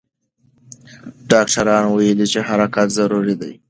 ډاکټران ویلي چې حرکت ضروري دی.